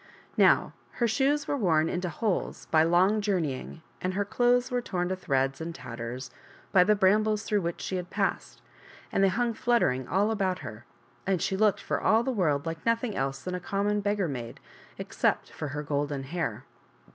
Now, her shoes were worn into holes by long journeying, and her clothes were torn to threads and tatters by the brambles through which she had passed, and hung fluttering all about her, and she looked for all the world like nothing else than a common beggar maid, except for her golden hair.